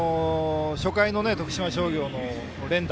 初回の徳島商業の連打